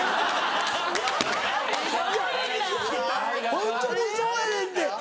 ホントにそうやねんて。